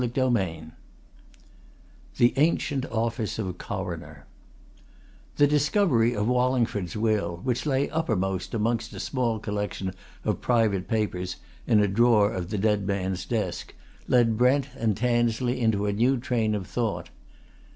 CHAPTER VI THE ANCIENT OFFICE OF CORONER The discovery of Wallingford's will, which lay uppermost amongst a small collection of private papers in a drawer of the dead man's desk, led Brent and Tansley into a new train of thought.